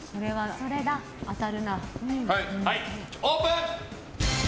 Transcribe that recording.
オープン！